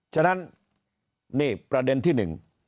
ฉะนั้นนี่ประเด็นที่หนึ่ง